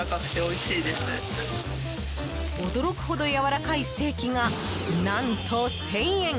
驚くほどやわらかいステーキが何と１０００円！